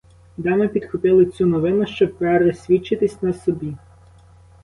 Дами підхопили цю новину, щоб пересвідчитись на собі.